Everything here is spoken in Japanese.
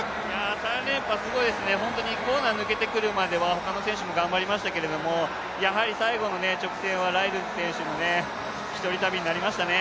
３連覇すごいですね、本当にコーナー抜けてくるまではほかの選手も頑張りましたけど、やはり最後の直線はライルズ選手の１人旅になりましたね。